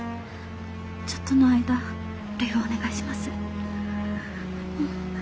ちょっとの間るいをお願いします。